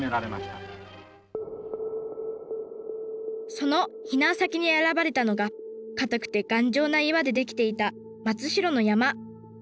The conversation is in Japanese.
その避難先に選ばれたのがかたくて頑丈な岩でできていた松代の山。